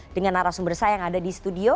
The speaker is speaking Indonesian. dengan arah sumber saya yang ada di studio